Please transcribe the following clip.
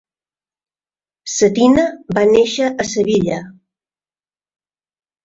Cetina va néixer a Sevilla.